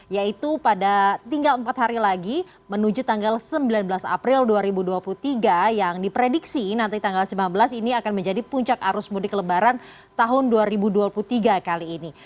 yaitu pada tinggal empat hari lagi menuju tanggal sembilan belas april dua ribu dua puluh tiga yang diprediksi nanti tanggal sembilan belas ini akan menjadi puncak arus mudik lebaran tahun dua ribu dua puluh tiga kali ini